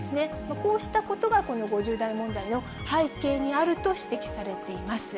こうしたことが、この５０代問題の背景にあると指摘されています。